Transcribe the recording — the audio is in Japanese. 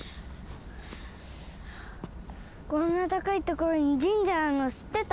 こんなたかいところに神社あるのしってた？